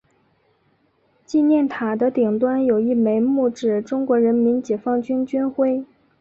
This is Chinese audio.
纪念塔的顶端有一枚木质中国人民解放军军徽。